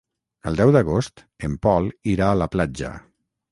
El deu d'agost en Pol irà a la platja.